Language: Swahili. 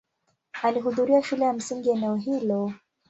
Alihudhuria shule ya msingi eneo hilo.